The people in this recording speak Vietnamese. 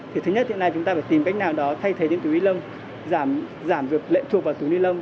thứ nhất hiện nay chúng ta phải tìm cách nào đó thay thế những túi ly lông giảm được lệ thuộc vào túi ly lông